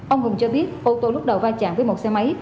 ông hùng cho biết ô tô lúc đầu va chạm với một xe máy